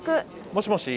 もしもし。